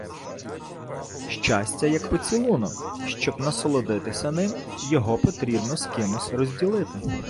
Щастя – як поцілунок: щоб насолодитися ним, його потрібно з кимось розділити.